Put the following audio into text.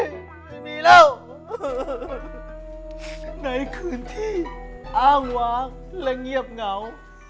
ไม่มีแล้วในคืนที่อ้างวางและเงียบเหงา